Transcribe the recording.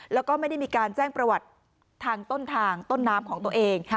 แล้วก็ไม่ได้มีการแจ้งประวัติทางต้นทางต้นน้ำของตัวเอง